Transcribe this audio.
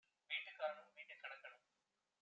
வீட்டுக் காரனும் வீட்டுக் கணக்கனும்